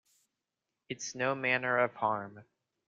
It’s no manner of harm.